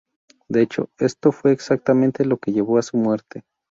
De hecho, esto fue exactamente lo que llevó a su muerte.